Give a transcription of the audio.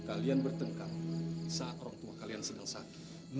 kalian bertengkar saat orang tua kalian sedang sakit